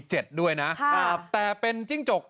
เจ็ดด้วยนะแต่เป็นจิ้งจก